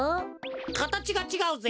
かたちがちがうぜ。